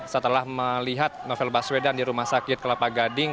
setelah melihat novel baswedan di rumah sakit kelapa gading